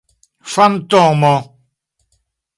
fantomo